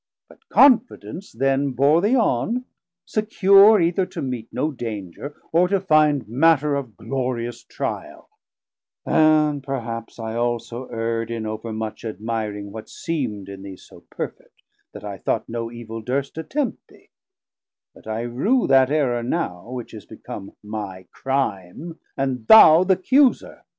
But confidence then bore thee on, secure Either to meet no danger, or to finde Matter of glorious trial; and perhaps I also err'd in overmuch admiring What seemd in thee so perfet, that I thought No evil durst attempt thee, but I rue 1180 That errour now, which is become my crime, And thou th' accuser.